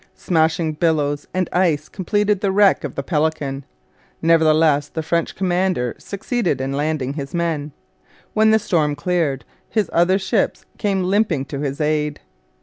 Smashing billows and ice completed the wreck of the Pelican; nevertheless the French commander succeeded in landing his men. When the storm cleared, his other ships came limping to his aid.